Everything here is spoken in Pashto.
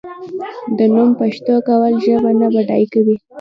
د نوم پښتو کول ژبه نه بډای کوي.